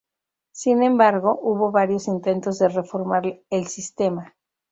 Sin embargo, hubo varios intentos de reformar el sistema.